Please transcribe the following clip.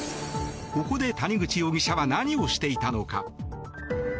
ここで谷口容疑者は何をしていたのか。